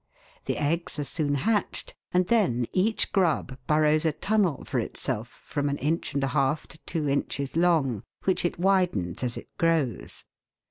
The eggs are soon hatched and then each grub burrows a tunnel for itself from an inch and a half to two inches long, which it widens as it grows.